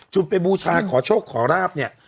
ไปบูชาขอโชคขอราบเนี่ย